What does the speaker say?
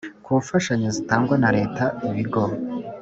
ku mfashanyo zitangwa na Leta ibigo